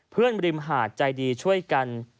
เพื่อนริมหาดใจดีช่วยกัน